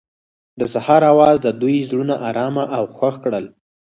د سهار اواز د دوی زړونه ارامه او خوښ کړل.